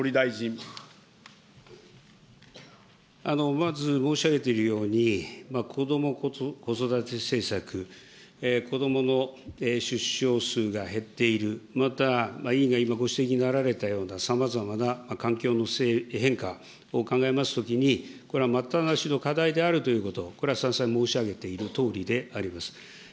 まず申し上げているように、こども・子育て政策、子どもの出生数が減っている、また委員が今、ご指摘になられたようなさまざまな環境の変化を考えますときに、これは待ったなしの課題であるということ、これは再三申し上げているとおりであります。